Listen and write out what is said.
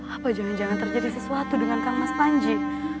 apa jangan jangan terjadi sesuatu dengan kang mas panji